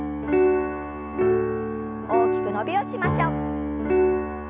大きく伸びをしましょう。